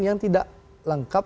yang tidak lengkap